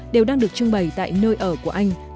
đều đang được trưng bày tại nơi ở của anh